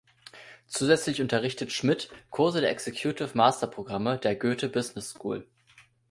Zusätzlich unterrichtet Schmidt Kurse der Executive-Master-Programme der Goethe Business School.